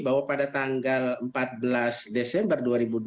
bahwa pada tanggal empat belas desember dua ribu dua puluh